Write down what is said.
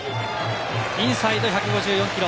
インサイド、１５４キロ。